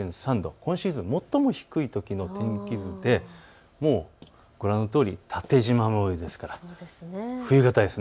今シーズン最も低いときの天気図でもうご覧のとおり縦じま模様ですから、冬型ですね。